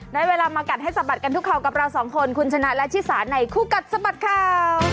ได้เวลามากัดให้สะบัดกันทุกข่าวกับเราสองคนคุณชนะและชิสาในคู่กัดสะบัดข่าว